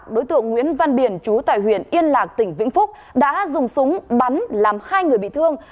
đối tượng nguyễn văn biển chú tại huyện yên lạc tỉnh vĩnh phúc đã dùng súng bắn làm hai người bị thương